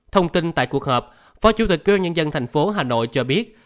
thông tin tại cuộc họp phó chủ tịch quy bản nhân dân thành phố hà nội cho biết